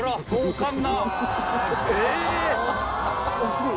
すごい。